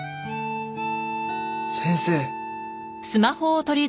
先生。